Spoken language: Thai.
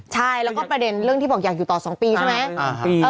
ใช่แล้วก็ประเด็นเรื่องที่บอกอยากอยู่ต่อ๒ปีใช่ไหม